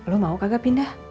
lo mau kagak pindah